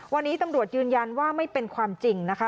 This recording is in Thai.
วันนี้ตำรวจยืนยันว่าไม่เป็นความจริงนะคะ